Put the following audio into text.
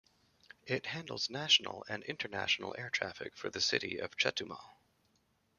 It handles national and international air traffic for the city of Chetumal.